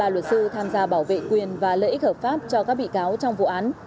ba luật sư tham gia bảo vệ quyền và lợi ích hợp pháp cho các bị cáo trong vụ án